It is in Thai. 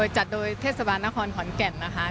จัดโดยเทศบาลนครขอนแก่นนะคะ